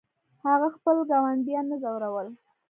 هغه خپل ګاونډیان نه ځورول.